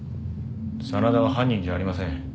真田は犯人じゃありません。